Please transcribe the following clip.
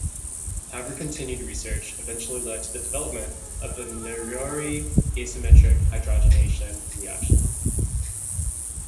However continued research eventually led to the development of the Noyori asymmetric hydrogenation reaction.